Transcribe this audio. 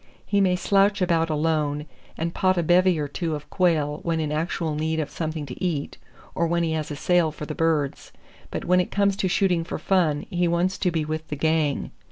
He may slouch about alone and pot a bevy or two of quail when in actual need of something to eat, or when he has a sale for the birds, but when it comes to shooting for fun he wants to be with the "gang."